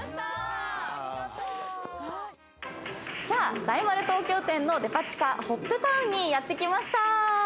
さあ大丸東京店のデパ地下ほっぺタウンにやって来ました。